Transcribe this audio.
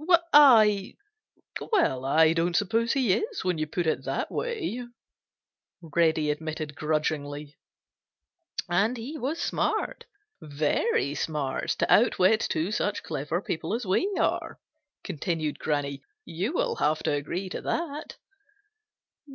"I—I—well, I don't suppose he is, when you put it that way," Reddy admitted grudgingly. "And he was smart, very smart, to outwit two such clever people as we are," continued Granny. "You will have to agree to that."